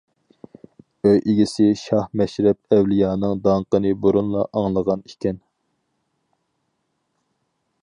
ئۆي ئىگىسى شاھ مەشرەپ ئەۋلىيانىڭ داڭقىنى بۇرۇنلا ئاڭلىغان ئىكەن.